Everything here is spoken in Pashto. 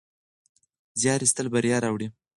زیار ایستل بریا راوړي.